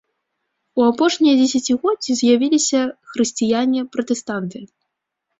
У апошнія дзесяцігоддзі з'явіліся хрысціяне-пратэстанты.